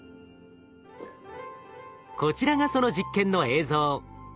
こちらがその実験の映像。